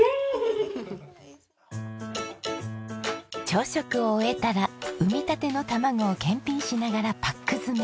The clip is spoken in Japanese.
朝食を終えたら産みたての卵を検品しながらパック詰め。